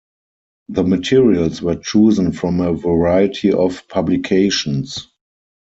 The materials were chosen from a variety of publications.